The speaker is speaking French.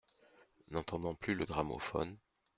N'entendant plus le gramophone.